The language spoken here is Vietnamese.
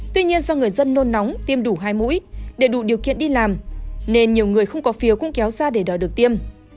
tuy nhiên do người dân nôn nóng tiêm đủ hai mũi để đủ điều kiện đi làm nên nhiều người không có phiếu cũng kéo ra để đòi được tiêm